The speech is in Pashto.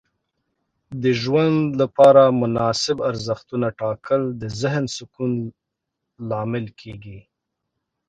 د ژوند لپاره مناسب ارزښتونه ټاکل د ذهن سکون لامل کیږي.